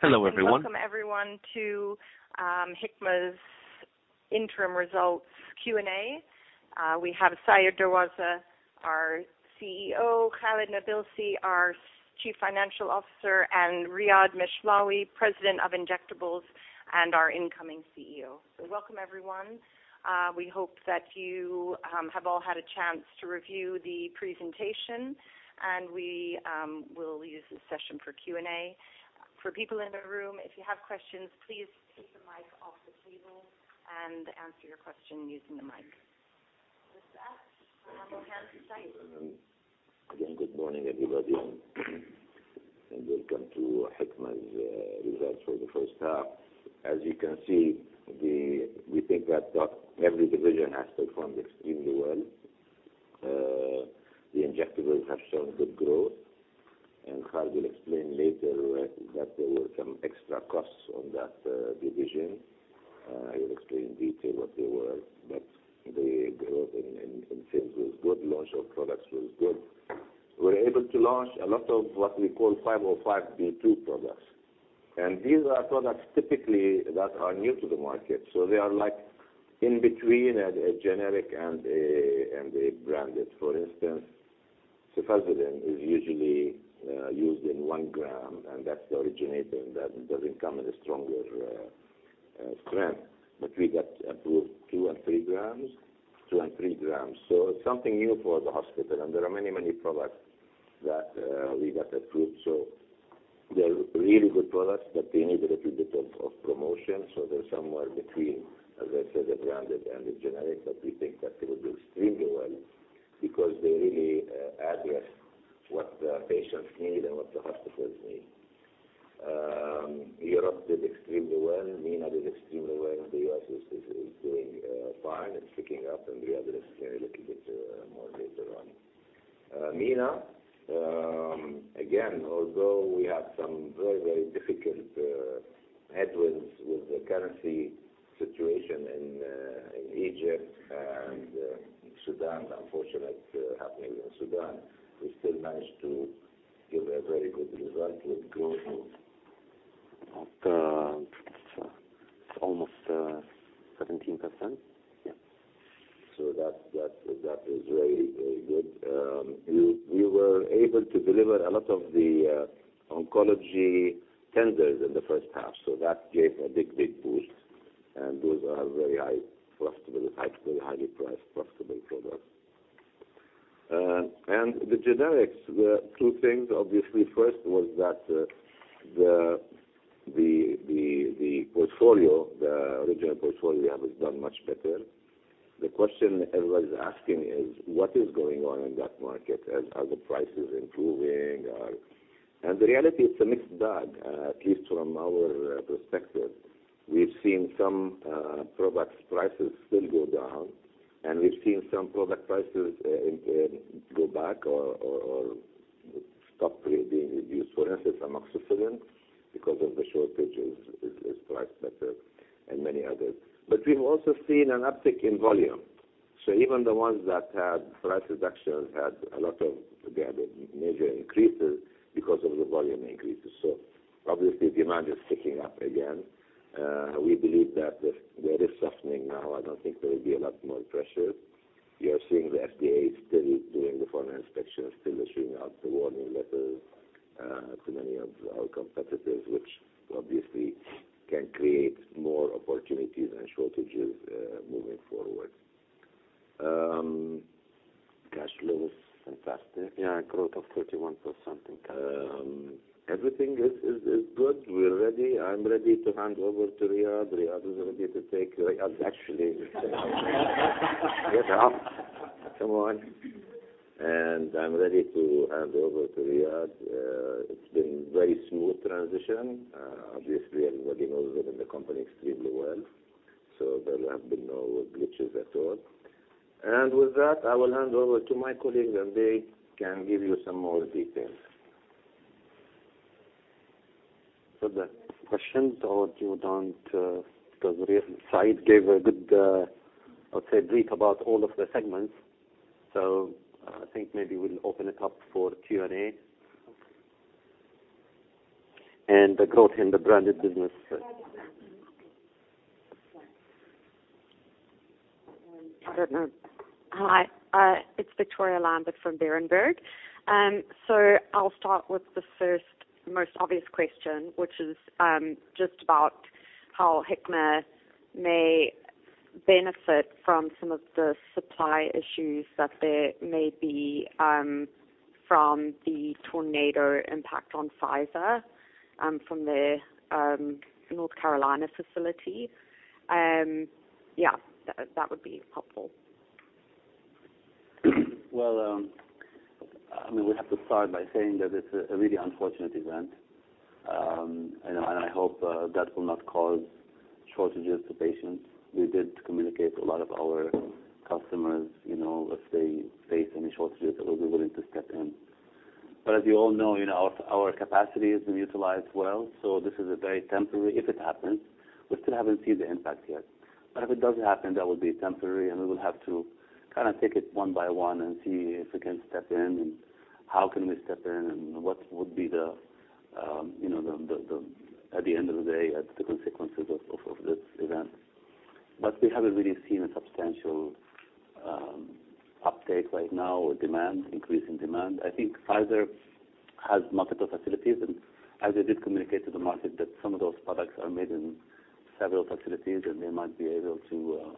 Hello, everyone. Welcome everyone to Hikma's interim results Q&A. We have Said Darwazah, our CEO, Khalid Nabilsi, our Chief Financial Officer, and Riad Mishlawi, President of Injectables and our incoming CEO. Welcome, everyone. We hope that you have all had a chance to review the presentation, and we will use this session for Q&A. For people in the room, if you have questions, please take the mic off the table and answer your question using the mic. With that, I hand over to Said. Again, good morning, everybody, and welcome to Hikma's results for the first half. As you can see, we think that every division has performed extremely well. The injectables have shown good growth, and Khaled will explain later that there were some extra costs on that division. He will explain in detail what they were, but the growth in sales was good, launch of products was good. We were able to launch a lot of what we call 505(b)(2) products. These are products typically that are new to the market, so they are like in between a generic and a branded. For instance, Cefazolin is usually used in 1 gram, and that's the originating. That doesn't come in a stronger strength. We got approved two and three grams, two and three grams. It's something new for the hospital, and there are many, many products that we got approved. They're really good products, but they need a little bit of promotion. They're somewhere between, as I said, the branded and the generic, but we think that they will do extremely well because they really address what the patients need and what the hospitals need. Europe did extremely well, MENA did extremely well, and the US is, is, is doing fine. It's picking up, and Riad will say a little bit more later on. MENA, again, although we have some very, very difficult headwinds with the currency situation in Egypt and Sudan, unfortunate happening in Sudan, we still managed to give a very good result with growth of. Almost, 17%. Yeah. That, that, that is very, very good. We, we were able to deliver a lot of the oncology tenders in the first half, so that gave a big, big boost, and those are very high profitable, high, very highly priced profitable products. The generics, the two things, obviously, first was that the, the, the, the portfolio, the original portfolio has done much better. The question everyone is asking is, "What is going on in that market? Are the prices improving, or... " The reality is it's a mixed bag, at least from our perspective. We've seen some products' prices still go down, and we've seen some product prices in, go back or, or, or stop being reduced. For instance, Amoxicillin, because of the shortages, is, is priced better and many others. We've also seen an uptick in volume. Even the ones that had price reductions had a lot of the other major increases because of the volume increases. Obviously, demand is ticking up again. We believe that there is softening now. I don't think there will be a lot more pressure. We are seeing the FDA still doing the foreign inspections, still issuing out the warning letters to many of our competitors, which obviously can create more opportunities and shortages moving forward. Cash flows. Fantastic. Yeah, growth of 31.something.[crossword] Everything is, is, is good. We're ready. I'm ready to hand over to Riad. Riad is ready to take. Riad, actually. Get up. Come on. I'm ready to hand over to Riad. It's been very smooth transition. Obviously, everybody knows him in the company extremely well, so there have been no glitches at all. With that, I will hand over to my colleague, and they can give you some more details.[crossword] The question, or you don't, because Riad and Said gave a good, I would say, brief about all of the segments. I think maybe we'll open it up for Q&A. I got in the branded business. I don't know. Hi, it's Victoria Lambert from Berenberg. I'll start with the first most obvious question, which is just about how Hikma may benefit from some of the supply issues that there may be from the tornado impact on Pfizer, from their North Carolina facility? Yeah, that, that would be helpful. Well, I mean, we have to start by saying that it's a really unfortunate event. I hope that will not cause shortages to patients. We did communicate to a lot of our customers, you know, if they face any shortages, that we'll be willing to step in. As you all know, you know, our capacity has been utilized well.... is a very temporary, if it happens, we still haven't seen the impact yet. If it does happen, that will be temporary, and we will have to kind of take it one by one and see if we can step in, and how can we step in, and what would be the, you know, the, the, the, at the end of the day, the consequences of, of, of this event. We haven't really seen a substantial update right now, or demand, increase in demand. I think Pfizer has multiple facilities, and as they did communicate to the market, that some of those products are made in several facilities, and they might be able to,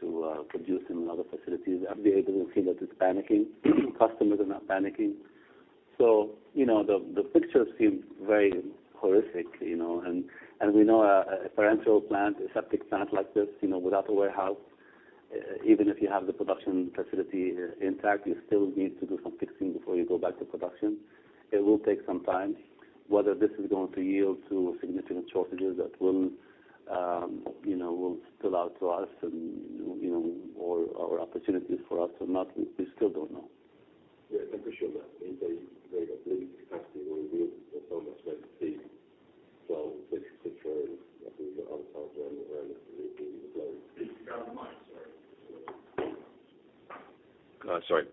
to produce in other facilities, I'd be able to see that it's panicking. Customers are not panicking. You know, the, the picture seems very horrific, you know, and, and we know a, a parenteral plant, a aseptic plant like this, you know, without a warehouse, even if you have the production facility intact, you still need to do some fixing before you go back to production. It will take some time. Whether this is going to yield to significant shortages that will, you know, will spill out to us and, you know, or, or opportunities for us or not, we, we still don't know. Yeah, I'm pretty sure that they, they, at least capacity will be so much like to see. Which control, I think other parts around, around the globe. Please grab the mic, sorry. Sorry,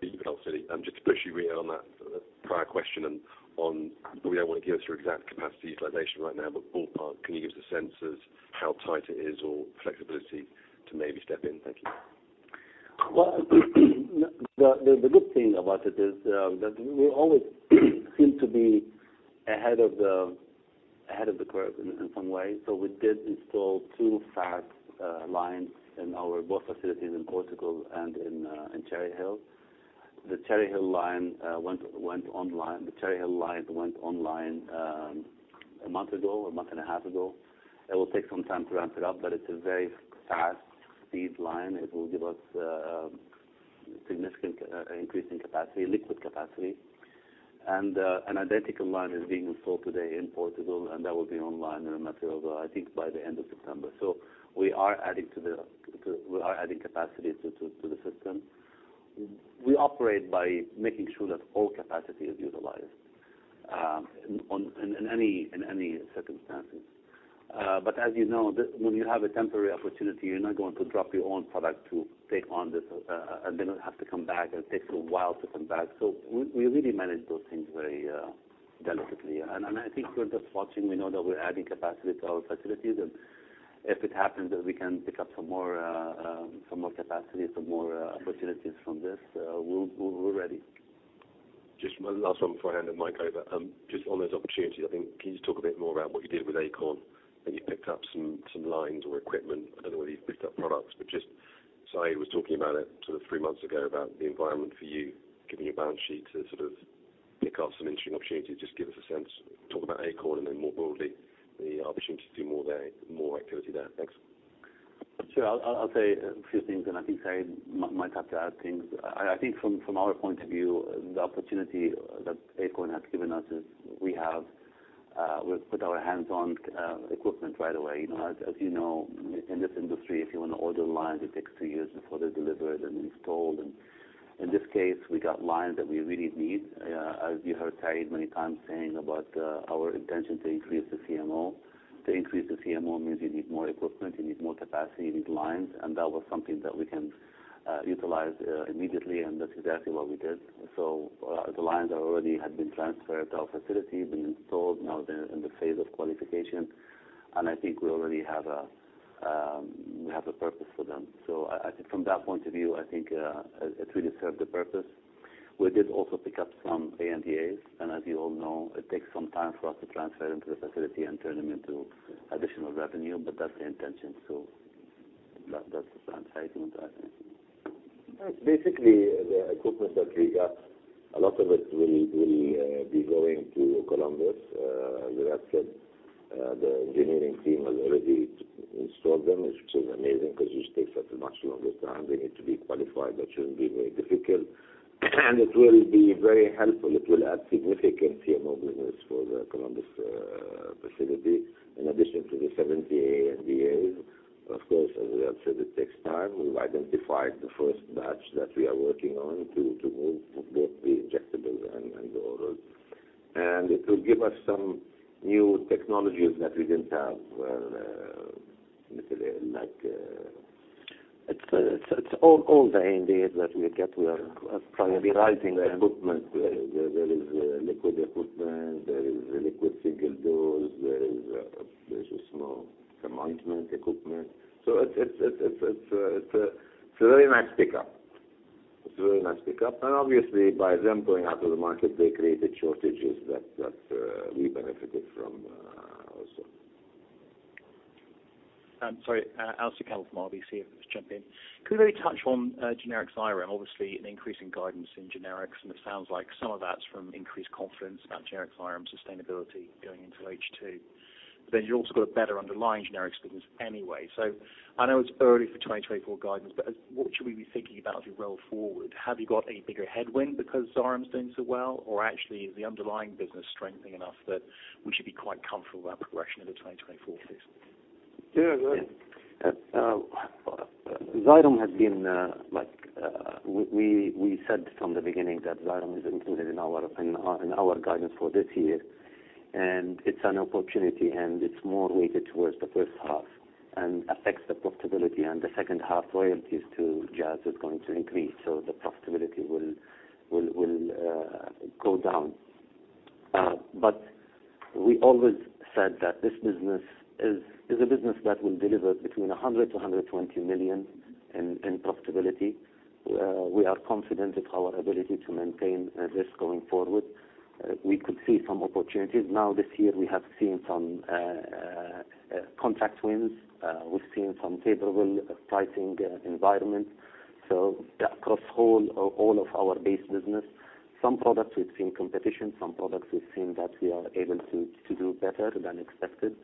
uncertain. Just to push you, Riad, on that, the prior question and on. We don't want to give us your exact capacity utilization right now, but ballpark, can you give us a sense of how tight it is or flexibility to maybe step in? Thank you. Well, the good thing about it is that we always seem to be ahead of the, ahead of the curve in, in some way. We did install two fast lines in our both facilities in Portugal and in Cherry Hill. The Cherry Hill line went, went online. The Cherry Hill line went online a month ago, a month and a half ago. It will take some time to ramp it up, but it's a very fast speed line. It will give us significant increase in capacity, liquid capacity. An identical line is being installed today in Portugal, and that will be online in a matter of, I think, by the end of September. We are adding capacity to the system. We operate by making sure that all capacity is utilized, in any, in any circumstances. As you know, when you have a temporary opportunity, you're not going to drop your own product to take on this, and then have to come back. It takes a while to come back. We, we really manage those things very delicately. I think you're just watching, we know that we're adding capacity to our facilities, and if it happens, that we can pick up some more, some more capacity, some more opportunities from this, we'll- we're ready. Just one last one before I hand the mic over. Just on those opportunities, I think, can you just talk a bit more about what you did with Akorn? You picked up some, some lines or equipment. I don't know whether you've picked up products, but just, Saïd was talking about it sort of three months ago, about the environment for you, giving you a balance sheet to sort of pick up some interesting opportunities. Just give us a sense. Talk about Akorn and then more broadly, the opportunity to do more there, more activity there. Thanks. Sure. I'll say a few things, and I think Said might, might have to add things. I, I think from, from our point of view, the opportunity that Akorn has given us is, we have, we've put our hands on, equipment right away. You know, as, as you know, in this industry, if you want to order lines, it takes two years before they're delivered and installed. In this case, we got lines that we really need. As you heard Said many times saying about, our intention to increase the CMO. To increase the CMO means you need more equipment, you need more capacity, you need lines, and that was something that we can, utilize, immediately, and that's exactly what we did. The lines already had been transferred to our facility, been installed, now they're in the phase of qualification, and I think we already have a, we have a purpose for them. I think from that point of view, I think it really served the purpose. We did also pick up some ANDAs, as you all know, it takes some time for us to transfer into the facility and turn them into additional revenue, that's the intention. That, that's the plan. Said, do you want to add anything? Yes. Basically, the equipment that we got, a lot of it will, will, be going to Columbus. As I said, the engineering team has already installed them, which is amazing because it just takes up much longer time. They need to be qualified, that shouldn't be very difficult. It will be very helpful. It will add significant CMO business for the Columbus facility, in addition to the 70 ANDAs. Of course, as we have said, it takes time. We've identified the first batch that we are working on to, to move both the injectables and, and the others. It will give us some new technologies that we didn't have, like... It's, it's all, all the ANDAs that we get, we are probably rising them. The equipment, there, there is, liquid equipment, there is liquid single-dose, there is, there's a small-volume equipment. It's, it's, it's, it's, it's a, it's a very nice pickup. It's a very nice pickup. Obviously, by them going out to the market, they created shortages that, that, we benefited from, also. Alistair Campbell from RBC. Jump in. Could we touch on generics Xyrem, obviously, an increase in guidance in generics, and it sounds like some of that's from increased confidence about generics Xyrem sustainability going into H2. Then you've also got a better underlying generics business anyway. I know it's early for 2024 guidance, but what should we be thinking about as we roll forward? Have you got a bigger headwind because Xyrem is doing so well, or actually, is the underlying business strengthening enough that we should be quite comfortable about progression of the 2024 phase? Yeah, Xydrem has been, we, we, we said from the beginning that Xydrem is included in our, in our, in our guidance for this year, and it's an opportunity, and it's more weighted towards the first half and affects the profitability. The second half royalties to Jazz is going to increase, so the profitability will, will, will go down. We always said that this business is, is a business that will deliver between $100 million-$120 million in, in profitability. We are confident in our ability to maintain this going forward. We could see some opportunities. Now, this year, we have seen some contract wins. We've seen some favorable pricing environment. All of our base business, some products we've seen competition, some products we've seen that we are able to, to do better than expected.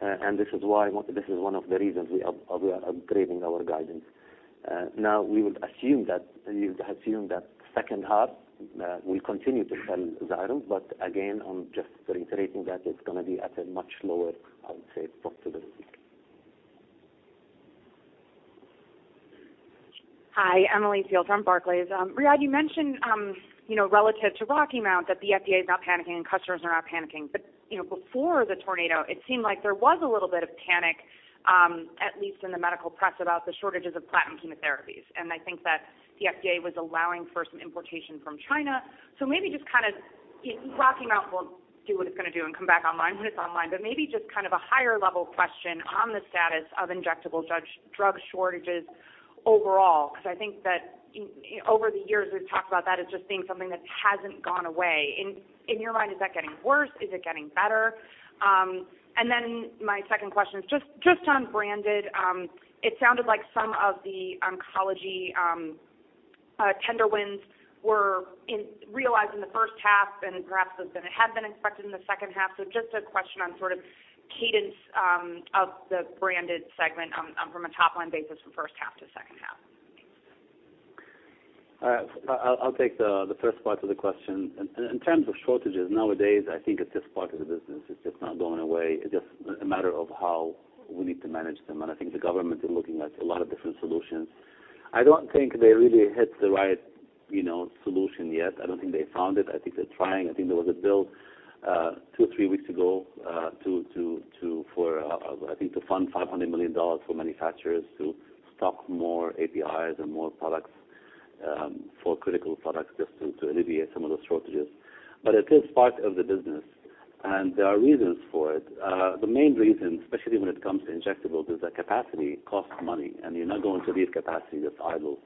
This is why, this is one of the reasons we are, we are upgrading our guidance. Now, we would assume that, we would assume that second half, we'll continue to sell Xydrem, again, I'm just reiterating that it's gonna be at a much lower, I would say, profitability. Hi, Emily Field from Barclays. Riad, you mentioned, you know, relative to Rocky Mount, that the FDA is not panicking and customers are not panicking. You know, before the tornado, it seemed like there was a little bit of panic, at least in the medical press, about the shortages of platinum chemotherapies. I think that the FDA was allowing for some importation from China. Maybe just kind of, Rocky Mount will do what it's gonna do and come back online when it's online, but maybe just kind of a higher level question on the status of injectable drug, drug shortages overall. I think that over the years, we've talked about that as just being something that hasn't gone away. In, in your mind, is that getting worse? Is it getting better? Then my second question is just on branded, it sounded like some of the oncology tender wins were realized in the first half and perhaps had been expected in the second half. Just a question on sort of cadence of the branded segment from a top-line basis from first half to second half. I'll, I'll take the, the first part of the question. In, in terms of shortages, nowadays, I think it's just part of the business. It's just not going away. It's just a matter of how we need to manage them, and I think the government is looking at a lot of different solutions. I don't think they really hit the right, you know, solution yet. I don't think they found it. I think they're trying. I think there was a bill, two or three weeks ago, to, to, to, for, I think to fund $500 million for manufacturers to stock more APIs and more products, for critical products, just to, to alleviate some of those shortages. It is part of the business, and there are reasons for it. The main reason, especially when it comes to injectables, is that capacity costs money, and you're not going to leave capacity that's idle.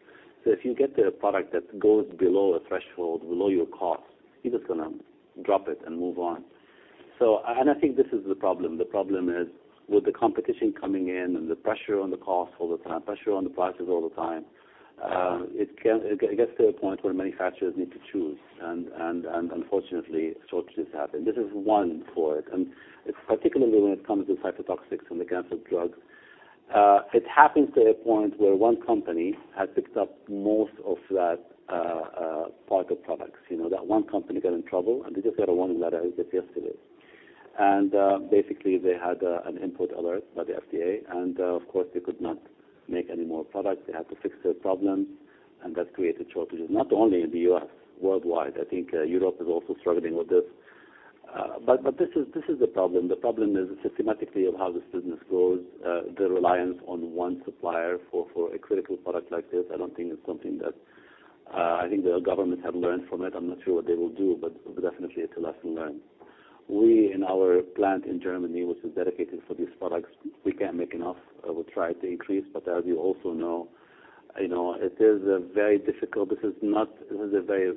If you get a product that goes below a threshold, below your cost, you're just gonna drop it and move on. I think this is the problem. The problem is, with the competition coming in and the pressure on the cost all the time, pressure on the prices all the time, it gets to a point where manufacturers need to choose, and unfortunately, shortages happen. This is one for it, and it's particularly when it comes to cytotoxics and the cancer drugs. It happens to a point where one company has picked up most of that part of products. You know, that one company got in trouble, and they just got a warning letter just yesterday. Basically, they had an import alert by the FDA. Of course, they could not make any more products. They had to fix their problem, and that created shortages, not only in the US, worldwide. I think Europe is also struggling with this. But this is, this is the problem. The problem is systematically of how this business goes, the reliance on one supplier for, for a critical product like this, I don't think it's something that... I think the government have learned from it. I'm not sure what they will do, but definitely it's a lesson learned. We, in our plant in Germany, which is dedicated for these products, we can't make enough. We'll try to increase, but as you also know, you know, it is a very difficult, this is a very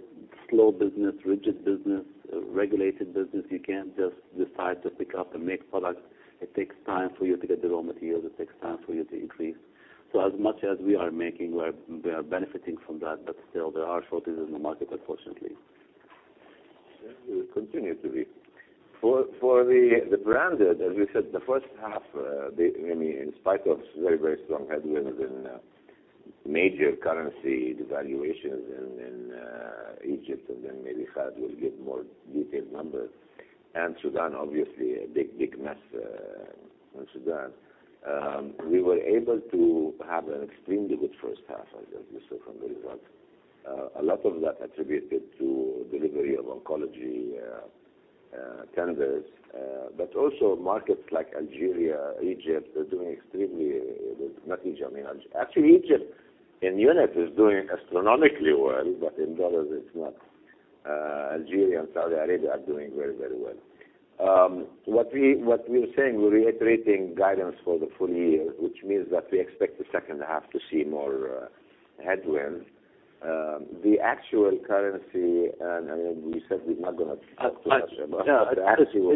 slow business, rigid business, a regulated business. You can't just decide to pick up and make products. It takes time for you to get the raw materials. It takes time for you to increase. As much as we are making, we are benefiting from that, but still, there are shortages in the market, unfortunately. There will continue to be. For, for the, the branded, as we said, the first half, they, I mean, in spite of very, very strong headwinds and major currency devaluations in Egypt, and then Melih will give more detailed numbers. Sudan, obviously, a big, big mess in Sudan. We were able to have an extremely good first half, as, as you saw from the results. A lot of that attributed to delivery of oncology tenders, but also markets like Algeria, Egypt, are doing extremely good. Not Egypt, I mean, actually, Egypt in unit is doing astronomically well, but in dollars, it's not. Algeria and Saudi Arabia are doing very, very well. What we, what we're saying, we're reiterating guidance for the full year, which means that we expect the second half to see more headwind. The actual currency, and we said we're not gonna talk about the actual.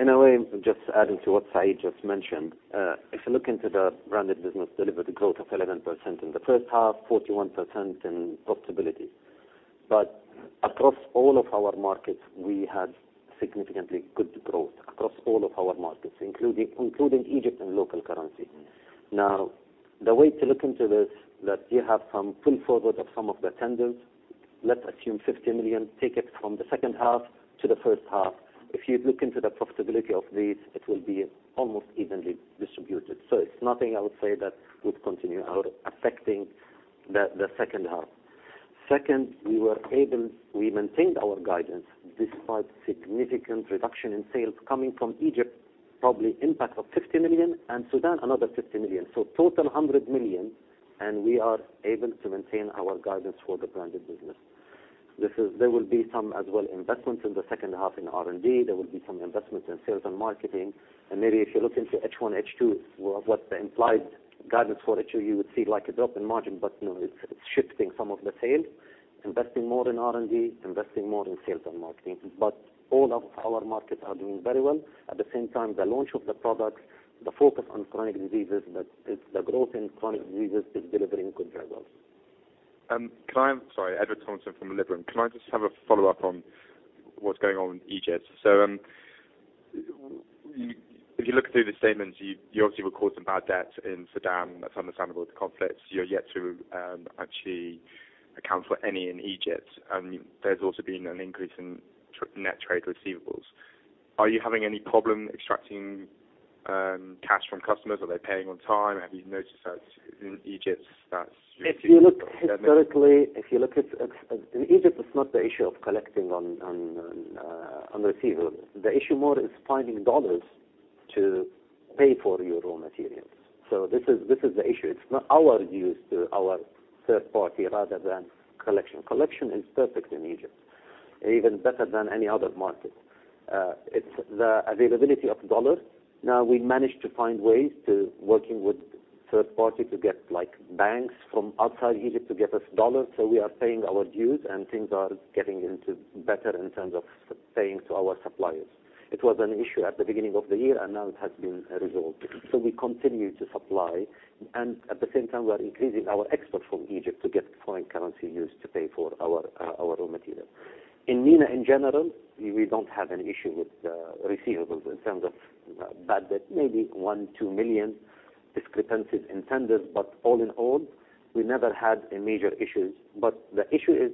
In a way, just adding to what Saïd just mentioned, if you look into the branded business, delivered a growth of 11% in the first half, 41% in profitability. Across all of our markets, we had significantly good growth, across all of our markets, including, including Egypt and local currency. The way to look into this, that you have some pull forward of some of the tenders. Let's assume $50 million, take it from the second half to the first half. If you look into the profitability of these, it will be almost evenly distributed. It's nothing I would say, that would continue out affecting the second half. Second, we maintained our guidance despite significant reduction in sales coming from Egypt, probably impact of $50 million, and Sudan, another $50 million. Total $100 million, and we are able to maintain our guidance for the branded business. There will be some as well, investments in the second half in R&D. There will be some investments in sales and marketing. Maybe if you look into H1, H2, what the implied guidance for H2, you would see like a drop in margin, but, you know, it's, it's shifting some of the sales, investing more in R&D, investing more in sales and marketing. All of our markets are doing very well. At the same time, the launch of the products, the focus on chronic diseases, but it's the growth in chronic diseases is delivering good results. Can I Sorry, Edward Thomasson from Liberum. Can I just have a follow-up on what's going on in Egypt? If you look through the statements, you, you obviously record some bad debts in Sudan. That's understandable, the conflicts. You're yet to actually account for any in Egypt, and there's also been an increase in net trade receivables. Are you having any problem extracting cash from customers? Are they paying on time? Have you noticed that in Egypt, that's? If you look historically, if you look at... In Egypt, it's not the issue of collecting on receivables. The issue more is finding dollars to pay for your raw materials. This is the issue. It's not our dues to our third party rather than collection. Collection is perfect in Egypt, even better than any other market. It's the availability of dollars. Now, we managed to find ways to working with third party to get, like, banks from outside Egypt to get us dollars. We are paying our dues, and things are getting into better in terms of paying to our suppliers. It was an issue at the beginning of the year, and now it has been resolved. We continue to supply, and at the same time, we are increasing our export from Egypt to get foreign currency use to pay for our, our raw material. In MENA, in general, we, we don't have any issue with receivables in terms of bad debt. Maybe 1 million, 2 million discrepancies in tenders, but all in all, we never had a major issues. But the issue is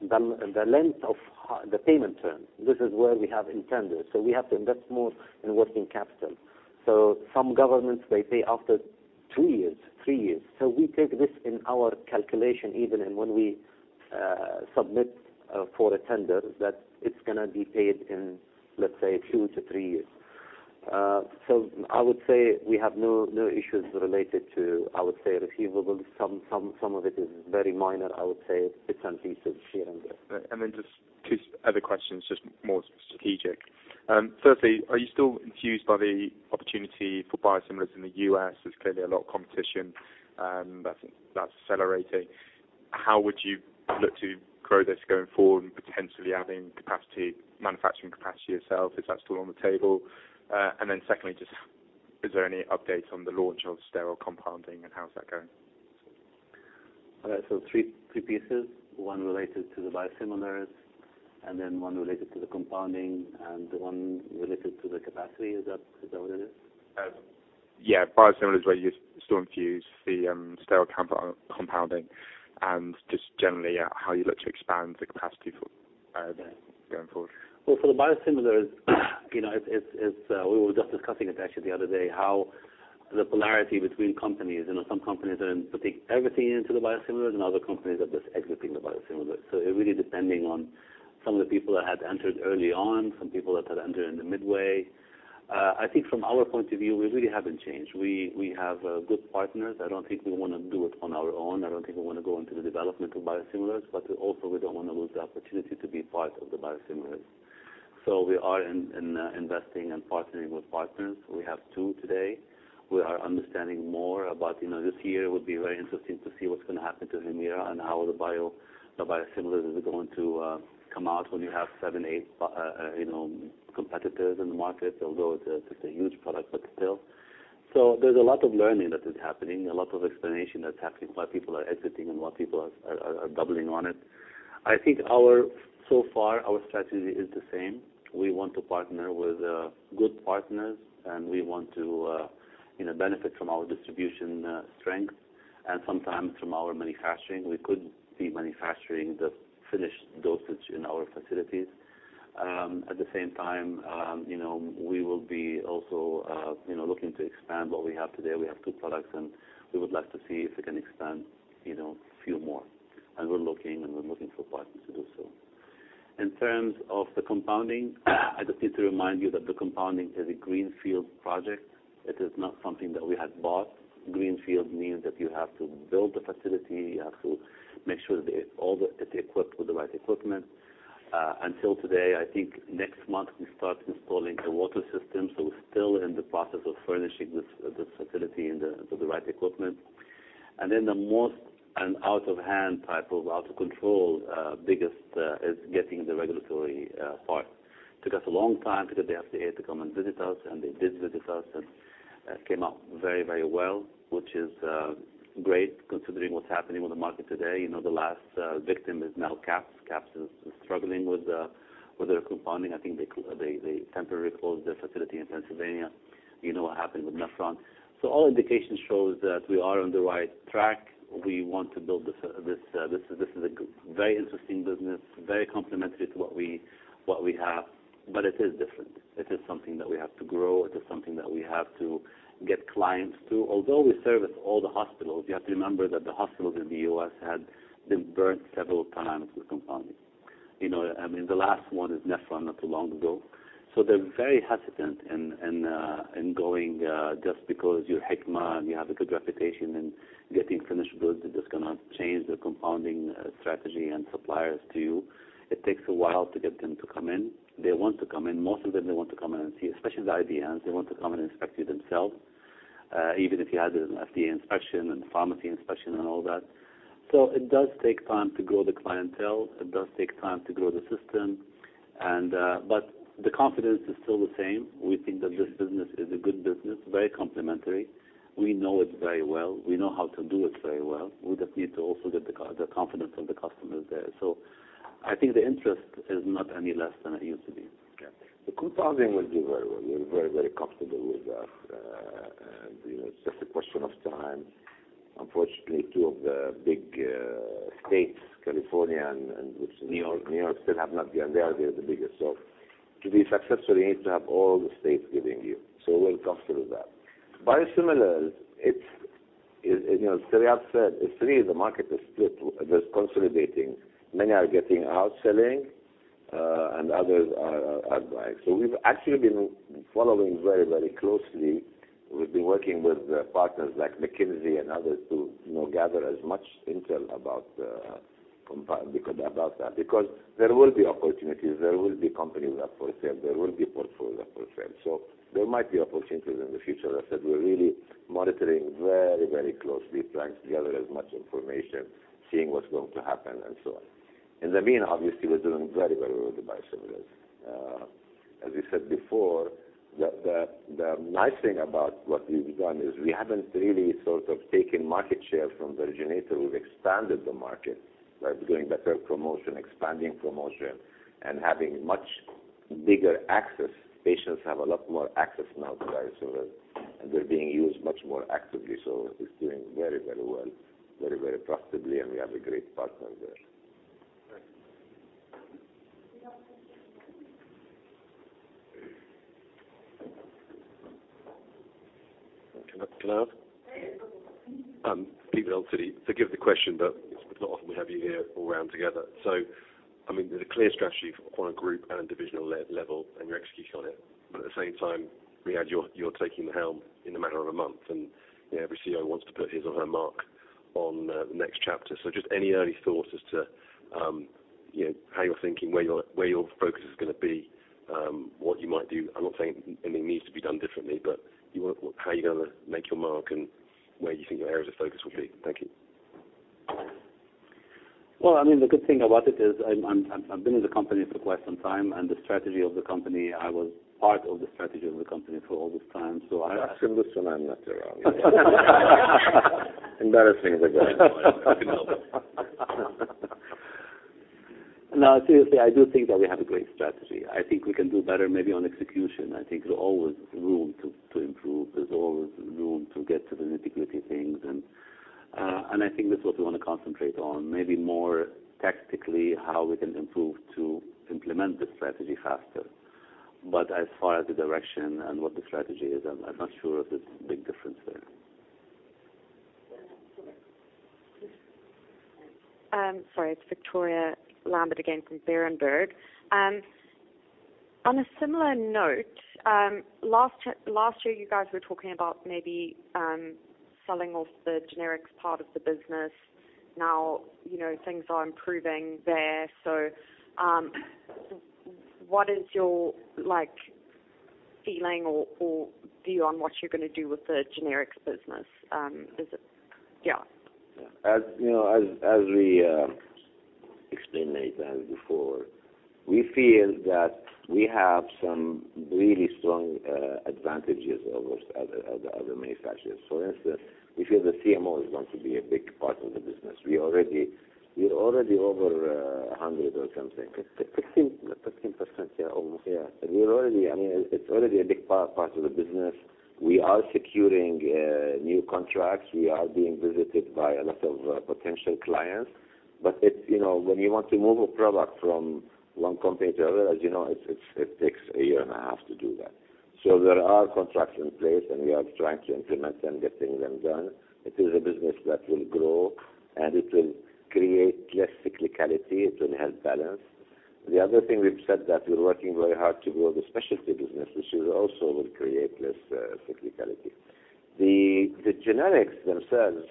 the, the length of the payment term. This is where we have in tenders. We have to invest more in working capital. Some governments, they pay after 2 years, 3 years. We take this in our calculation, even in when we submit for a tender, that it's gonna be paid in, let's say, 2-3 years. I would say we have no, no issues related to, I would say, receivables. Some of it is very minor, I would say, bits and pieces here and there. Just two other questions, just more strategic. Firstly, are you still enthused by the opportunity for biosimilars in the U.S.? There's clearly a lot of competition, that's, that's accelerating. How would you look to grow this going forward and potentially adding capacity, manufacturing capacity yourself? Is that still on the table? Secondly, just is there any update on the launch of sterile compounding, and how's that going? 3, 3 pieces. 1 related to the biosimilars, and then 1 related to the compounding, and 1 related to the capacity. Is that, is that what it is? Yeah. Biosimilars, where you still infuse the sterile comp- compounding, and just generally, yeah, how you look to expand the capacity for going forward. Well, for the biosimilars, you know, it's, it's, We were just discussing it actually the other day, how the polarity between companies, you know, some companies are putting everything into the biosimilars, and other companies are just exiting the biosimilars. It really depending on some of the people that had entered early on, some people that had entered in the midway. I think from our point of view, we really haven't changed. We, we have good partners. I don't think we wanna do it on our own. I don't think we wanna go into the development of biosimilars, but also, we don't wanna lose the opportunity to be part of the biosimilars. We are in, in, investing and partnering with partners. We have 2 today. We are understanding more about, you know, this year would be very interesting to see what's gonna happen to Humira and how the biosimilars is going to come out when you have 7, 8, you know, competitors in the market, although it's a, it's a huge product, but still. There's a lot of learning that is happening, a lot of explanation that's happening, why people are exiting and why people are doubling on it. I think so far, our strategy is the same. We want to partner with good partners, and we want to, you know, benefit from our distribution strength, and sometimes from our manufacturing. We could be manufacturing the finished dosage in our facilities. At the same time, you know, we will be also, you know, looking to expand what we have today. We have two products, we would like to see if we can expand, you know, few more. We're looking, and we're looking for partners to do so. In terms of the compounding, I just need to remind you that the compounding is a greenfield project. It is not something that we had bought. Greenfield means that you have to build the facility, you have to make sure that all it's equipped with the right equipment. Until today, I think next month, we start installing the water system, so we're still in the process of furnishing this, this facility and with the right equipment. The most and out of hand, type of out of control, biggest, is getting the regulatory part. Took us a long time to get the FDA to come and. They did with us and came out very, very well, which is great considering what's happening on the market today. You know, the last victim is now CAPS. CAPS is struggling with their compounding. I think they temporarily closed their facility in Pennsylvania. You know what happened with Nephron. All indications shows that we are on the right track. We want to build this, this is a very interesting business, very complimentary to what we, what we have. It is different. It is something that we have to grow. It is something that we have to get clients to. Although we service all the hospitals, you have to remember that the hospitals in the US had been burnt several times with compounding. You know, I mean, the last one is Nephron, not too long ago. They're very hesitant in, in, in going, just because you're Hikma and you have a good reputation in getting finished goods, they're just gonna change the compounding, strategy and suppliers to you. It takes a while to get them to come in. They want to come in. Most of them, they want to come in and see, especially the IDNs, they want to come and inspect you themselves, even if you have an FDA inspection and pharmacy inspection and all that. It does take time to grow the clientele. It does take time to grow the system, and the confidence is still the same. We think that this business is a good business, very complimentary. We know it very well. We know how to do it very well. We just need to also get the confidence of the customers there. I think the interest is not any less than it used to be. Yeah. The compounding will do very well. We're very, very comfortable with that. you know, it's just a question of time. Unfortunately, two of the big states, California and which New York, New York, still have not been, and they are the biggest. To be successful, you need to have all the states giving you. We're comfortable with that. Biosimilars, it's, it, you know, as Riad said, it's really the market is split, but it's consolidating. Many are getting out selling, and others are buying. We've actually been following very, very closely. We've been working with partners like McKinsey and others to, you know, gather as much intel about the compa- because about that. Because there will be opportunities, there will be companies up for sale, there will be portfolio for sale. There might be opportunities in the future. I said, we're really monitoring very, very closely, trying to gather as much information, seeing what's going to happen and so on. In the mean, obviously, we're doing very, very well with the biosimilars. As you said before, the, the, the nice thing about what we've done is we haven't really sort of taken market share from the originator. We've expanded the market by doing better promotion, expanding promotion, and having much bigger access. Patients have a lot more access now to biosimilars, and they're being used much more actively. It's doing very, very well, very, very profitably, and we have a great partner there. Thank you. Peter from Citi. Forgive the question, but it's not often we have you here all around together. I mean, there's a clear strategy for on a group and divisional level, and you're executing on it. At the same time, Riad, you're taking the helm in a matter of a month, and, you know, every CEO wants to put his or her mark on the next chapter. Just any early thoughts as to, you know, how you're thinking, where your, where your focus is gonna be, what you might do? I'm not saying anything needs to be done differently, but you want... How are you gonna make your mark, and where do you think your areas of focus will be? Thank you. Well, I mean, the good thing about it is I'm, I've been in the company for quite some time, and the strategy of the company, I was part of the strategy of the company for all this time. Ask him this, and I'm not around. Embarrassing the guy. No, seriously, I do think that we have a great strategy. I think we can do better, maybe on execution. I think there's always room to, to improve. There's always room to get to the nitty-gritty things, and, and I think that's what we want to concentrate on, maybe more tactically, how we can improve to implement the strategy faster. As far as the direction and what the strategy is, I'm, I'm not sure there's a big difference there. Sorry, it's Victoria Lambert again from Berenberg. On a similar note, last year, last year, you guys were talking about maybe selling off the generics part of the business. Now, you know, things are improving there, so what is your, like, feeling or view on what you're gonna do with the generics business? Is it, yeah. As you know, as we explained many times before, we feel that we have some really strong advantages over other manufacturers. For instance, we feel the CMO is going to be a big part of the business. We're already over 100 or something. 15, 15%, yeah, almost. Yeah, we're already, I mean, it's already a big part, part of the business. We are securing new contracts. We are being visited by a lot of potential clients. It's, you know, when you want to move a product from one company to the other, as you know, it takes a year and a half to do that. There are contracts in place, and we are trying to implement them, getting them done. It is a business that will grow, and it will create less cyclicality. It will help balance. The other thing we've said that we're working very hard to grow the specialty business, which will also will create less cyclicality. The generics themselves,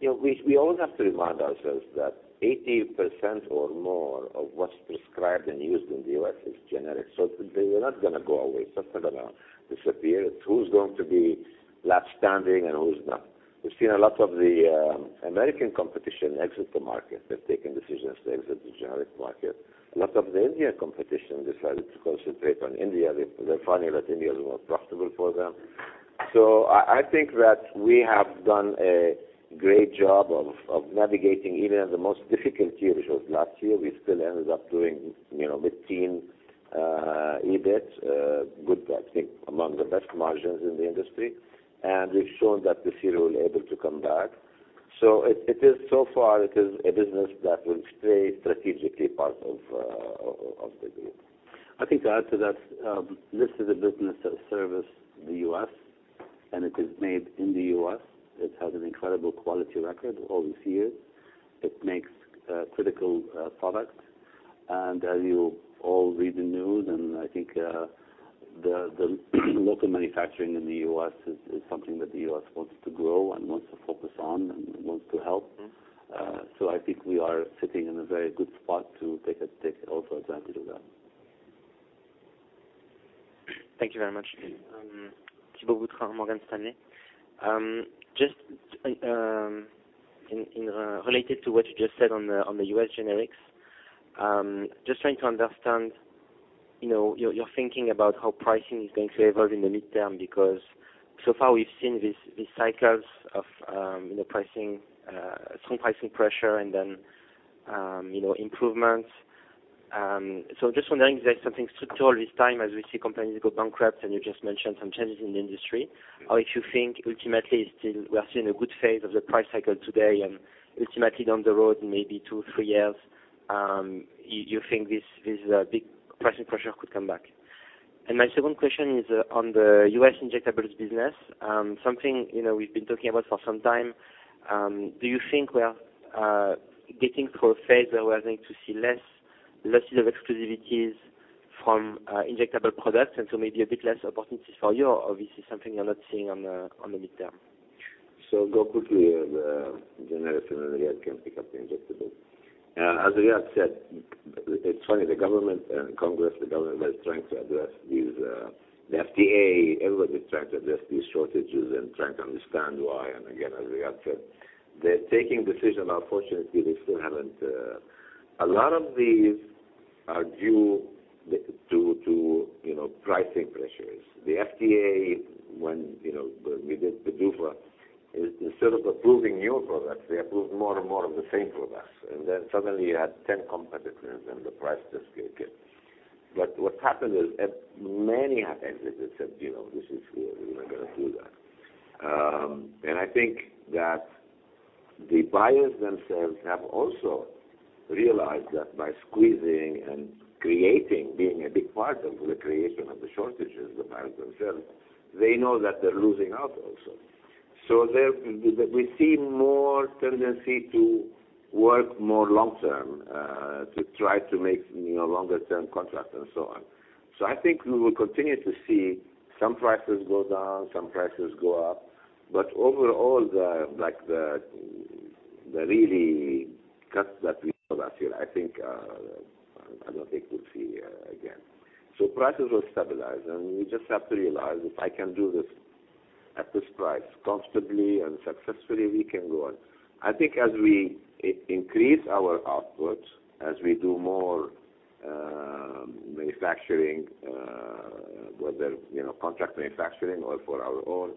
you know, we always have to remind ourselves that 80% or more of what's prescribed and used in the U.S. is generic. They are not gonna go away. They're not gonna disappear. It's who's going to be left standing and who's not? We've seen a lot of the American competition exit the market. They've taken decisions to exit the generic market. A lot of the India competition decided to concentrate on India. They, they're finding that India is more profitable for them. I, I think that we have done a great job of, of navigating even in the most difficult year, which was last year, we still ended up doing, you know, mid-teen EBIT. Good, I think among the best margins in the industry, and we've shown that this year we're able to come back. It, it is so far, it is a business that will stay strategically part of, of the group. I think to add to that, this is a business that service the U.S., and it is made in the U.S. It has an incredible quality record all these years. It makes critical products. As you all read the news, and I think, the local manufacturing in the U.S. is something that the U.S. wants to grow and wants to focus on and wants to help. I think we are sitting in a very good spot to take a, take also advantage of that. Thank you very much. Thibault Boutherin Morgan Stanley. Just in related to what you just said on the U.S. generics, just trying to understand, you know, your thinking about how pricing is going to evolve in the midterm, because so far we've seen these, these cycles of, you know, pricing, some pricing pressure and then, you know, improvements. Just wondering if there's something structural this time as we see companies go bankrupt, and you just mentioned some changes in the industry, or if you think ultimately, still we are still in a good phase of the price cycle today, and ultimately down the road, maybe two, three years, you, you think this, this, big pricing pressure could come back? My second question is on the U.S. injectables business. Something, you know, we've been talking about for some time, do you think we are getting to a phase where we are going to see less losses of exclusivities from injectable products, and so maybe a bit less opportunities for you, or this is something you're not seeing on the midterm? Go quickly on the generic, and Riad can pick up the injectable. As Riad said, it's funny, the government, Congress, the government are trying to address these... The FDA, everybody's trying to address these shortages and trying to understand why. Again, as Riad said, they're taking decision. Unfortunately, they still haven't, a lot of these are due to, you know, pricing pressures. The FDA, when, you know, when we did the DUFR, instead of approving new products, they approved more and more of the same products. Then suddenly you had 10 competitors, and the price just get... What happened is, at many attendees, they said, "You know, this is weird. We were gonna do that." I think that the buyers themselves have also realized that by squeezing and creating, being a big part of the creation of the shortages, the buyers themselves, they know that they're losing out also. We see more tendency to work more long term, to try to make, you know, longer term contracts and so on. I think we will continue to see some prices go down, some prices go up, but overall, the really cuts that we saw last year, I think, I don't think we'll see again. Prices will stabilize, and we just have to realize, if I can do this at this price comfortably and successfully, we can go on. I think as we increase our outputs, as we do more manufacturing, whether, you know, contract manufacturing or for our own,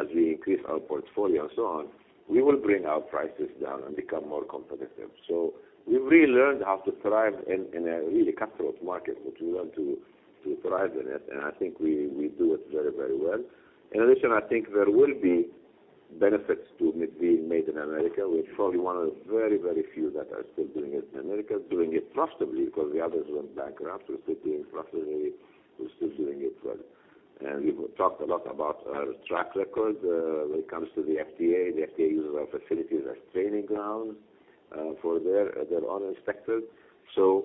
as we increase our portfolio and so on, we will bring our prices down and become more competitive. We've really learned how to thrive in, in a really cutthroat market, but we learn to, to thrive in it, and I think we, we do it very, very well. In addition, I think there will be benefits to it being made in America. We're probably one of the very, very few that are still doing it in America, doing it profitably because the others went bankrupt. We're still doing it profitably. We're still doing it well. We've talked a lot about our track record when it comes to the FDA. The FDA uses our facilities as training grounds, for their, their own inspectors.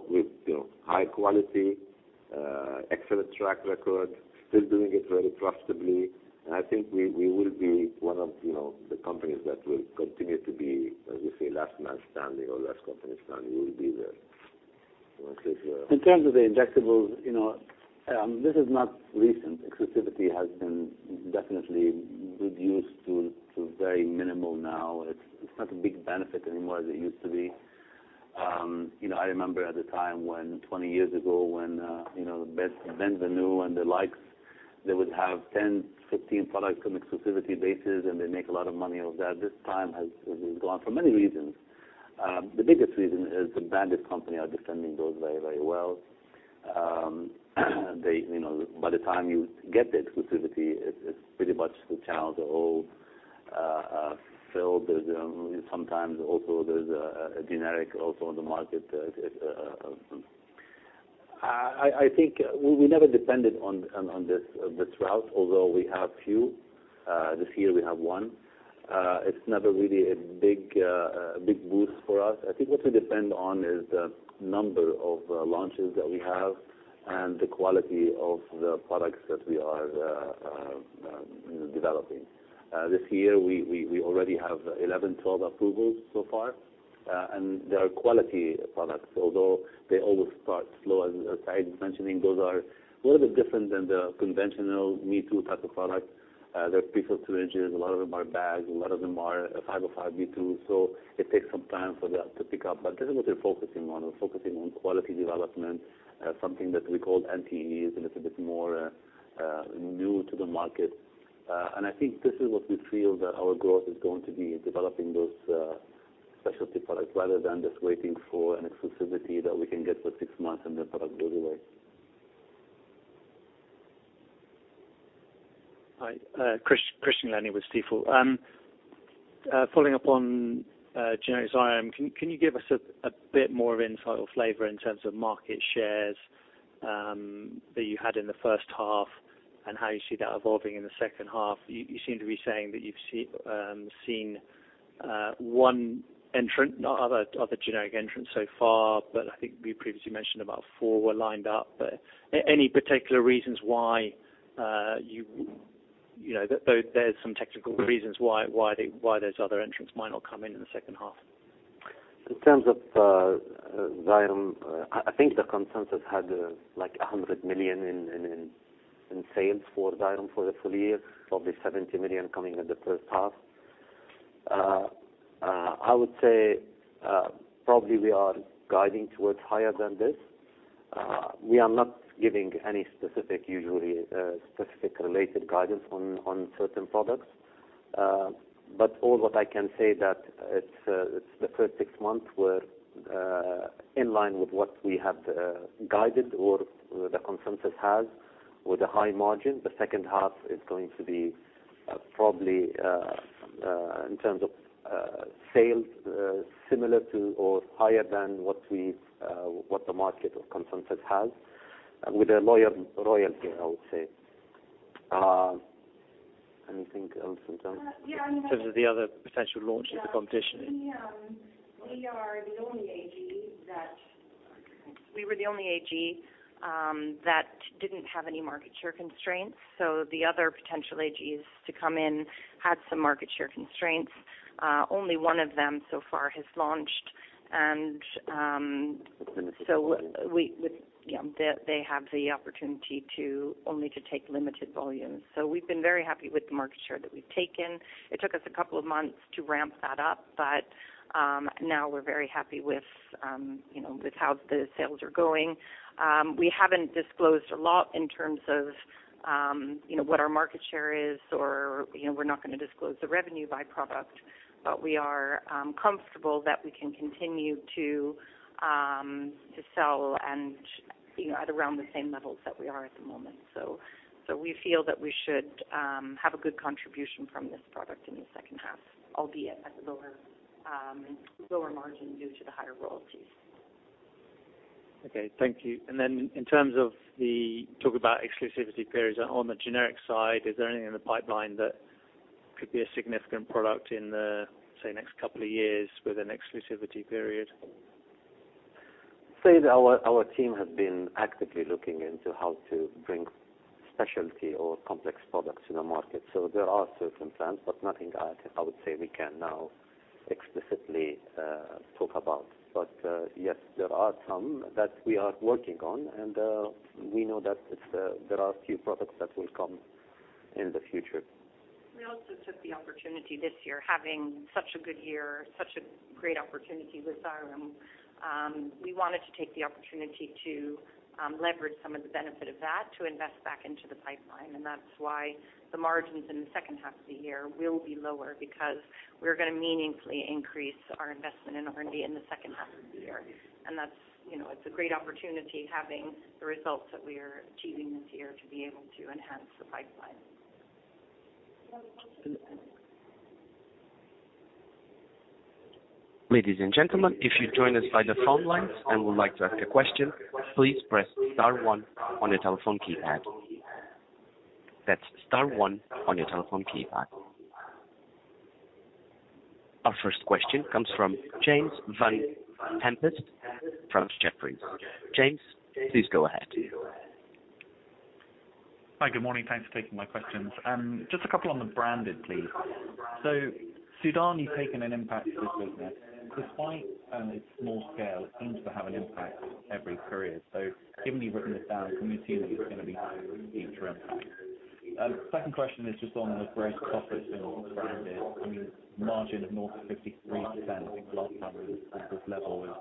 With, you know, high quality, excellent track record, still doing it very profitably, I think we, we will be one of, you know, the companies that will continue to be, as you say, last man standing or last company standing, we will be there. In terms of the injectables, you know, this is not recent. Exclusivity has been definitely reduced to, to very minimal now. It's, it's not a big benefit anymore as it used to be. you know, I remember at the time when, 20 years ago, when, you know, the Ben Venue and the likes, they would have 10, 15 products on exclusivity basis, and they make a lot of money off that. This time has, has gone for many reasons. The biggest reason is the branded company are defending those very, very well. They, you know, by the time you get the exclusivity, it's, it's pretty much the channels are all filled. There's sometimes also there's a generic also on the market. I think we never depended on this route, although we have few. This year we have one. It's not a really a big, big boost for us. I think what we depend on is the number of launches that we have and the quality of the products that we are developing. This year, we already have 11, 12 approvals so far.... and they are quality products, although they always start slow, as Tarek is mentioning, those are a little bit different than the conventional me-too type of product. They're piece of syringes, a lot of them are bags, a lot of them are 505(b)(2), so it takes some time for that to pick up. This is what we're focusing on. We're focusing on quality development, something that we call NTEs, and it's a bit more, new to the market. I think this is what we feel that our growth is going to be, developing those, specialty products, rather than just waiting for an exclusivity that we can get for 6 months, and the product goes away. Hi, Christian Glennie with Stifel. Following up on generic Xyrem, can you give us a bit more insight or flavor in terms of market shares that you had in the first half and how you see that evolving in the second half? You seem to be saying that you've seen one entrant, not other generic entrants so far, but I think you previously mentioned about four were lined up. Any particular reasons why, you know, there's some technical reasons why those other entrants might not come in in the second half? In terms of Xyrem, I think the consensus had like $100 million in sales for Xyrem for the full year, probably $70 million coming in the first half. I would say probably we are guiding towards higher than this. We are not giving any specific, usually, specific related guidance on certain products. But all what I can say that it's the first six months were in line with what we had guided or the consensus has with a high margin. The second half is going to be probably in terms of sales similar to or higher than what we've what the market or consensus has, with a royalty, I would say. Anything else in terms- Yeah, I mean. In terms of the other potential launches, the competition. Yeah. We were the only AG that didn't have any market share constraints. The other potential AGs to come in had some market share constraints. Only one of them so far has launched. We, with, you know, they have the opportunity to only to take limited volumes. We've been very happy with the market share that we've taken. It took us a couple of months to ramp that up, now we're very happy with, you know, with how the sales are going. We haven't disclosed a lot in terms of, you know, what our market share is, or, you know, we're not gonna disclose the revenue by product, but we are comfortable that we can continue to sell and, you know, at around the same levels that we are at the moment. We feel that we should have a good contribution from this product in the second half, albeit at a lower lower margin due to the higher royalties. Okay, thank you. In terms of the talk about exclusivity periods, on the generic side, is there anything in the pipeline that could be a significant product in the, say, next 2 years with an exclusivity period? Say that our, our team has been actively looking into how to bring specialty or complex products in the market. There are certain plans, but nothing I, I would say we can now explicitly talk about. Yes, there are some that we are working on, and we know that it's, there are a few products that will come in the future. We also took the opportunity this year, having such a good year, such a great opportunity with Xyrem, we wanted to take the opportunity to leverage some of the benefit of that to invest back into the pipeline. That's why the margins in the second half of the year will be lower, because we're gonna meaningfully increase our investment in R&D in the second half of the year. That's, you know, it's a great opportunity having the results that we are achieving this year to be able to enhance the pipeline. Ladies and gentlemen, if you join us by the phone lines and would like to ask a question, please press star one on your telephone keypad. That's star one on your telephone keypad. Our first question comes from James Vane-Tempest from Jefferies. James, please go ahead. Hi, good morning. Thanks for taking my questions. Just a couple on the branded, please. Sudan, you've taken an impact to this business. Despite its small scale, it seems to have an impact every period. Given you've written this down, can we assume that it's gonna be interim impact? Second question is just on the gross profit in branded. I mean, margin of more than 53% last time, this level was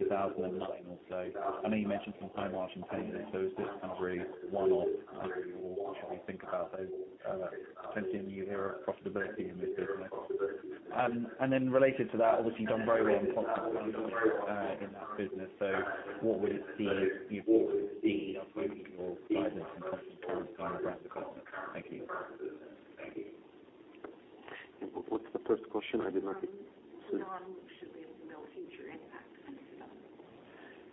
2009 or so. I know you mentioned some high margin payments, is this kind of really one-off, or should we think about a potentially new era of profitability in this business? Related to that obviously, you've done very well in profit in that business. What would it be you would see approaching your guidance and constant towards brand across? Thank you. What's the first question? I did not- Sudan, should we expect no future impact on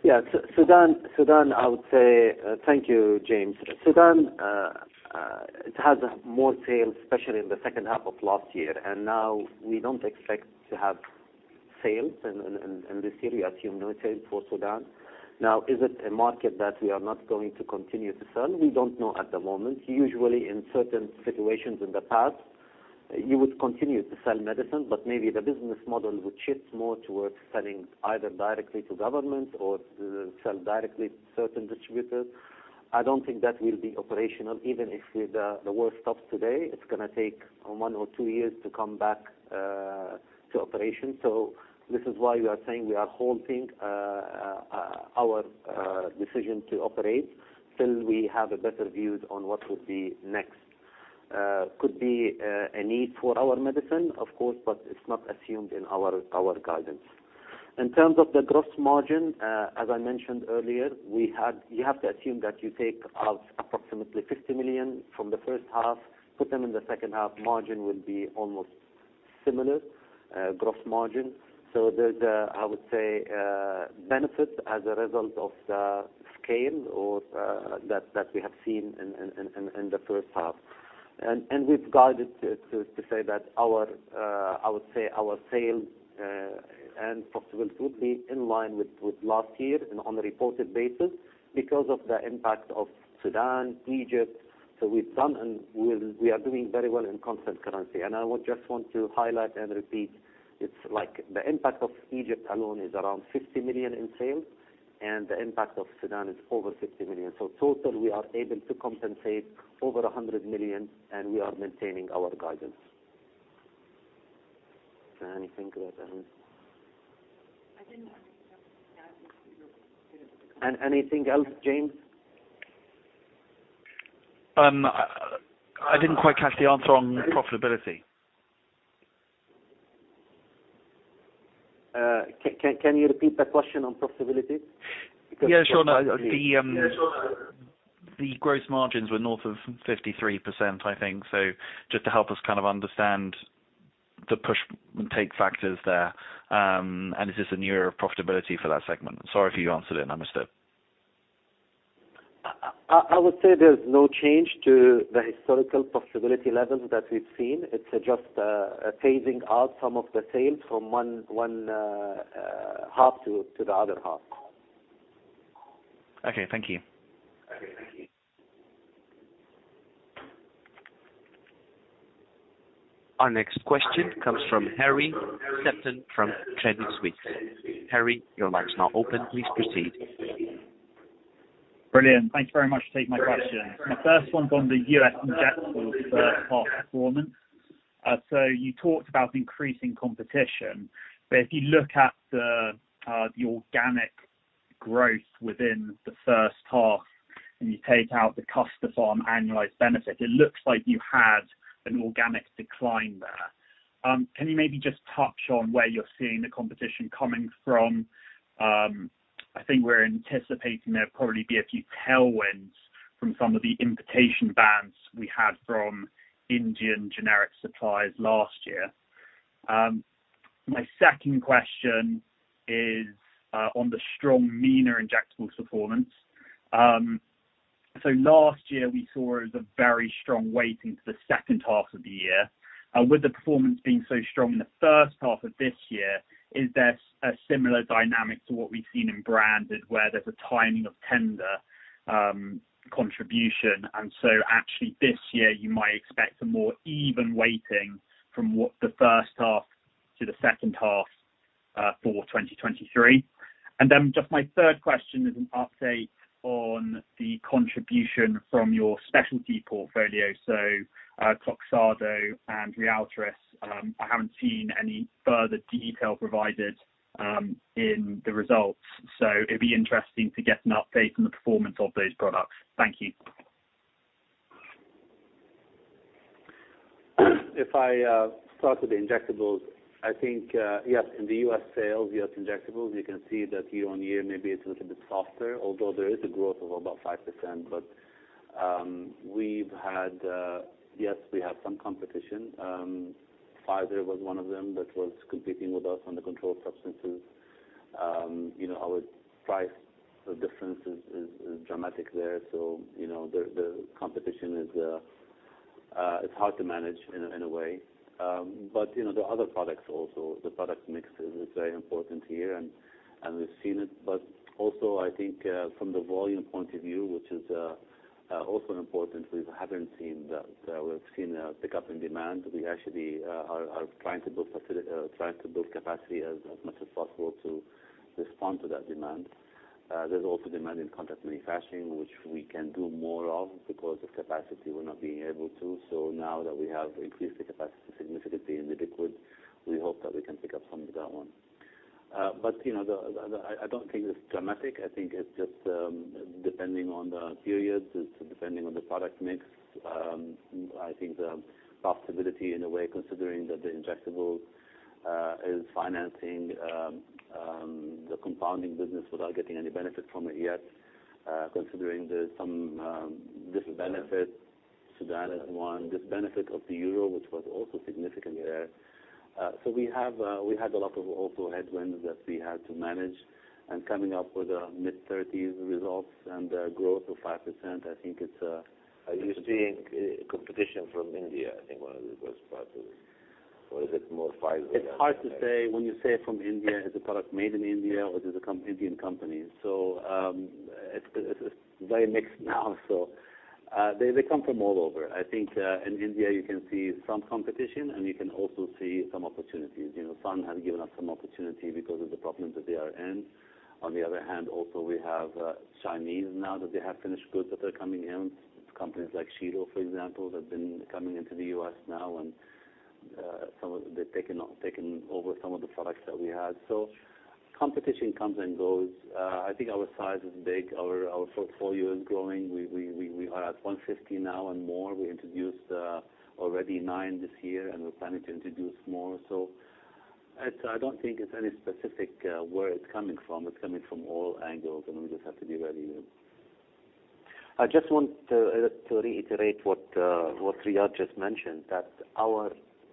Sudan? Yeah. S- Sudan, Sudan, I would say, uh, thank you, James. Sudan, uh, uh, it has more sales, especially in the second half of last year, and now we don't expect to have sales in, in, in, in this year. We assume no sales for Sudan.... Now, is it a market that we are not going to continue to sell? We don't know at the moment. Usually, in certain situations in the past, you would continue to sell medicine, but maybe the business model would shift more towards selling either directly to government or sell directly to certain distributors. I don't think that will be operational, even if the, the war stops today, it's going to take one or two years to come back, uh, to operation. This is why we are saying we are halting our decision to operate till we have a better view on what will be next. Could be a need for our medicine, of course, but it's not assumed in our guidance. In terms of the gross margin, as I mentioned earlier, we had- you have to assume that you take out approximately $50 million from the first half, put them in the second half, margin will be almost similar, gross margin. There's a, I would say, benefit as a result of the scale or that, that we have seen in the first half. We've guided to say that our sales and profitability in line with last year and on a reported basis, because of the impact of Sudan, Egypt. We've done and we are doing very well in constant currency. I would just want to highlight and repeat, it's the impact of Egypt alone is around $50 million in sales, and the impact of Sudan is over $50 million. Total, we are able to compensate over $100 million, and we are maintaining our guidance. Is there anything about that? I didn't understand. Anything else, James? I didn't quite catch the answer on profitability. Can, can, can you repeat that question on profitability? Yeah, sure. The gross margins were north of 53%, I think. Just to help us kind of understand the push and take factors there, is this a newer profitability for that segment? Sorry, if you answered it, and I missed it. I would say there's no change to the historical profitability levels that we've seen. It's just phasing out some of the sales from one half to the other half. Okay, thank you. Our next question comes from Harry Sherebrandon from Credit Suisse. Harry, your line is now open. Please proceed. Brilliant. Thank you very much for taking my question. My first one's on the U.S. injectables first half performance. You talked about increasing competition, but if you look at the organic growth within the first half, and you take out the Custopharm annualized benefit, it looks like you had an organic decline there. Can you maybe just touch on where you're seeing the competition coming from? I think we're anticipating there'll probably be a few tailwinds from some of the import bans we had from Indian generic suppliers last year. My second question is on the strong MENA injectables performance. Last year, we saw there was a very strong weighting to the second half of the year. With the performance being so strong in the first half of this year, is there a similar dynamic to what we've seen in branded, where there's a timing of tender contribution? Actually, this year, you might expect a more even weighting from what the first half to the second half for 2023. Just my third question is an update on the contribution from your specialty portfolio, so Kloxxado and Ryaltris. I haven't seen any further detail provided in the results, so it'd be interesting to get an update on the performance of those products. Thank you. If I start with the injectables, I think, yes, in the US sales, yes, injectables, you can see that year on year, maybe it's a little bit softer, although there is a growth of about 5%. We've had... Yes, we have some competition. Pfizer was one of them that was competing with us on the controlled substances. You know, our price difference is, is, is dramatic there. You know, the, the competition is, is hard to manage in a, in a way. You know, the other products also, the product mix is very important here, and, and we've seen it. Also, I think, from the volume point of view, which is, also important, we haven't seen that. We've seen a pickup in demand. We actually are trying to build capacity as much as possible to respond to that demand. There's also demand in contract manufacturing, which we can do more of because of capacity, we're not being able to. Now that we have increased the capacity significantly in the liquid, we hope that we can pick up some of that one. You know, the, the, I, I don't think it's dramatic. I think it's just depending on the period, it's depending on the product mix. I think the profitability in a way, considering that the injectable is financing the compounding business without getting any benefit from it yet, considering there's some disbenefit, Sudan is one, disbenefit of the euro, which was also significantly there. We had a lot of also headwinds that we had to manage, and coming up with a mid-thirties results and a growth of 5%, I think it's. Are you seeing competition from India? I think one of the worst parts of it. Is it more five? It's hard to say. When you say from India, is the product made in India or does it come Indian companies? It's very mixed now. They come from all over. I think in India, you can see some competition, and you can also see some opportunities. You know, Sun has given us some opportunity because of the problems that they are in. On the other hand, also, we have Chinese now that they have finished goods that are coming in. Companies like Shiro, for example, have been coming into the U.S. now, and some of them, they've taken over some of the products that we had. Competition comes and goes. I think our size is big, our portfolio is growing. We are at 150 now and more. We introduced already 9 this year, and we're planning to introduce more. I don't think it's any specific where it's coming from. It's coming from all angles, and we just have to be ready to. I just want to reiterate what Riad just mentioned, that our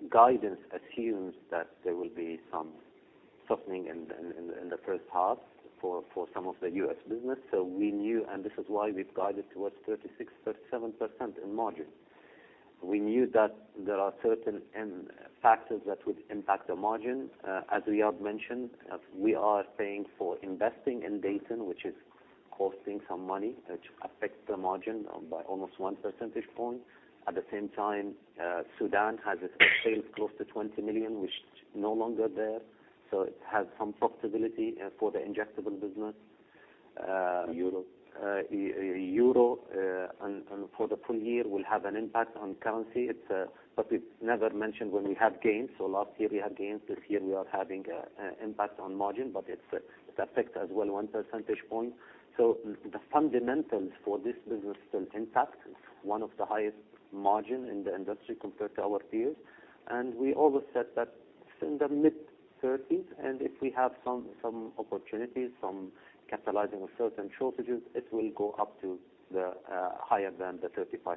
guidance assumes that there will be some softening in the first half for some of the US business. We knew, and this is why we've guided towards 36%-37% in margin. We knew that there are certain end factors that would impact the margin. As Riad mentioned, as we are paying for investing in Dayton, which is costing some money, which affects the margin by almost 1% point. At the same time, Sudan has its sales close to $20 million, which is no longer there, so it has some profitability for the injectable business. Euro. Euro, and, and for the full year, will have an impact on currency. It's, but it's never mentioned when we have gains. Last year, we had gains. This year, we are having a, a impact on margin, but it's, it affects as well 1% point. The fundamentals for this business still intact, one of the highest margin in the industry compared to our peers. We always said that in the mid-30s, and if we have some, some opportunities, some capitalizing on certain shortages, it will go up to the higher than the 35%.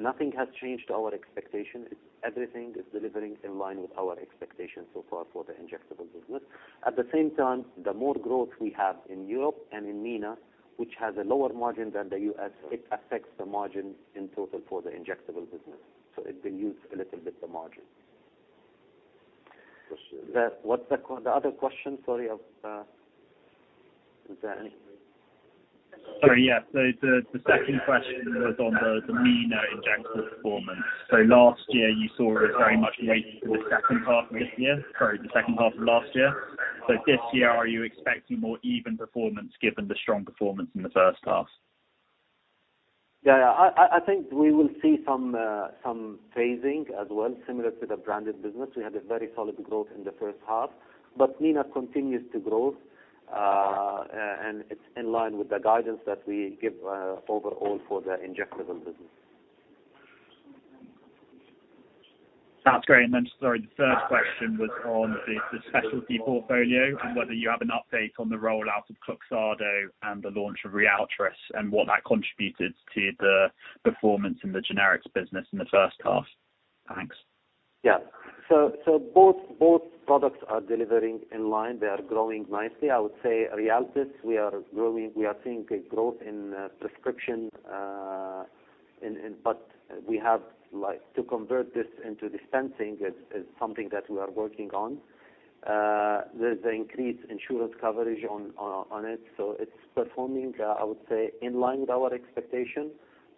Nothing has changed our expectation. It's. Everything is delivering in line with our expectations so far for the injectable business. At the same time, the more growth we have in Europe and in MENA, which has a lower margin than the US, it affects the margin in total for the injectable business. It dilutes a little bit the margin. Question. What's the other question? Sorry, is there any? Sorry, yeah. The, the second question was on the, the MENA injectable performance. Last year, you saw it very much weighted to the second half of this year, sorry, the second half of last year. This year, are you expecting more even performance given the strong performance in the first half? Yeah, I, I, I think we will see some, some phasing as well, similar to the branded business. We had a very solid growth in the first half, but MENA continues to grow, and it's in line with the guidance that we give, overall for the injectable business. Sounds great. Then, sorry, the third question was on the, the specialty portfolio and whether you have an update on the rollout of Kloxxado and the launch of Ryaltris, and what that contributed to the performance in the generics business in the first half. Thanks. Yeah. Both, both products are delivering in line. They are growing nicely. I would say Ryaltris, we are growing. We are seeing a growth in prescription, in, in... We have like, to convert this into dispensing is, is something that we are working on. There's an increased insurance coverage on, on, on it, so it's performing, I would say, in line with our expectation.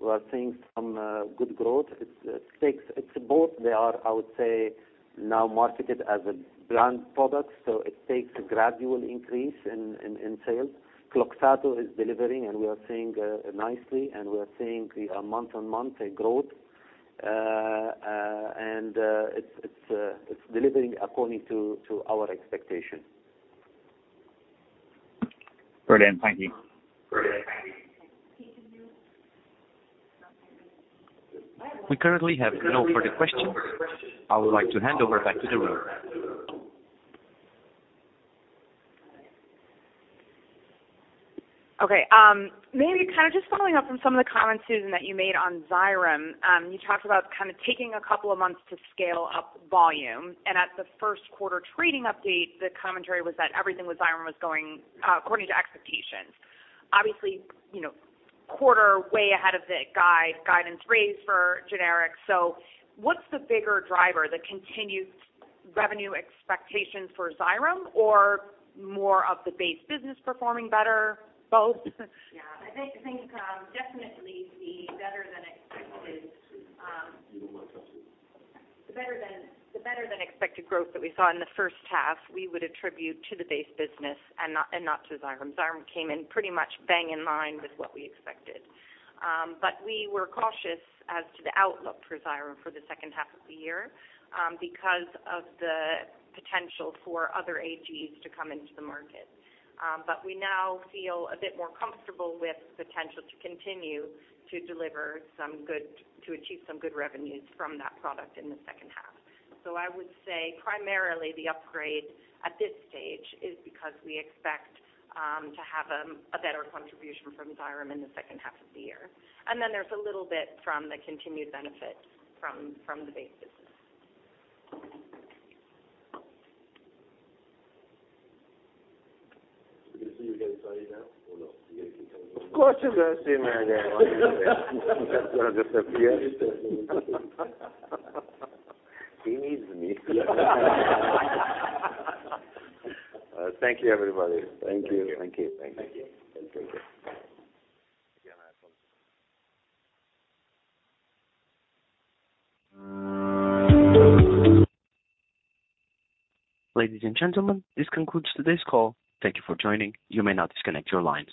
We are seeing some good growth. It's, it takes, it's both. They are, I would say, now marketed as a brand product, so it takes a gradual increase in, in, in sales. Kloxxado is delivering, and we are seeing nicely, and we are seeing a month-on-month, a growth. It's, it's, it's delivering according to, to our expectation. Brilliant. Thank you. We currently have no further questions. I would like to hand over back to the room. Okay, maybe kind of just following up on some of the comments, Susan, that you made on Xyrem. You talked about kind of taking a couple of months to scale up volume, and at the Q1 trading update, the commentary was that everything with Xyrem was going according to expectations. Obviously, you know, quarter way ahead of the guide, guidance raised for generics. What's the bigger driver, the continued revenue expectations for Xyrem or more of the base business performing better? Both? Yeah. I think, I think, definitely the better than expected. You want to talk to him. The better than, the better than expected growth that we saw in the first half, we would attribute to the base business and not, and not to Xyrem. Xyrem came in pretty much bang in line with what we expected. We were cautious as to the outlook for Xyrem for the second half of the year because of the potential for other AGs to come into the market. We now feel a bit more comfortable with the potential to continue to deliver some good- to achieve some good revenues from that product in the second half. I would say primarily the upgrade at this stage is because we expect to have a better contribution from Xyrem in the second half of the year. There's a little bit from the continued benefit from, from the base business. We're going to see you again Friday now or no? You're going to keep coming. Of course, you're gonna see me. I'm not gonna disappear. He needs me. Thank you, everybody. Thank you. Thank you. Thank you. Thank you. Ladies and gentlemen, this concludes today's call. Thank you for joining. You may now disconnect your lines.